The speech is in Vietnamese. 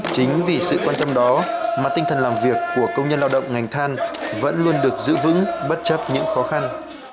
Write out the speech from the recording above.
chính vì sự quan tâm đó mà tinh thần làm việc của công nhân lao động ngành than vẫn luôn được giữ vững bất chấp những khó khăn